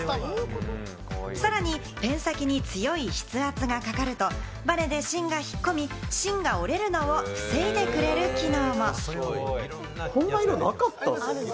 さらにペン先に強い筆圧がかかると、バネで芯が引っ込み、芯が折れるのを防いでくれる機能も。